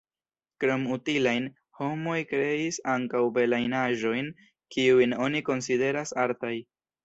Krom utilajn, homoj kreis ankaŭ belajn aĵojn, kiujn oni konsideras artaj.